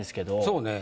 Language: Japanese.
そうね。